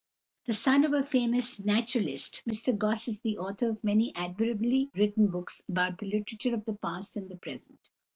The son of a famous naturalist, Mr Gosse is the author of many admirably written books about the literature of the past and the present.